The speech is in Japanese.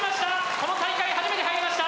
この大会初めて入りました。